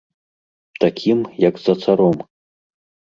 Такім, як за царом.